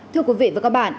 thưa quý vị và các bạn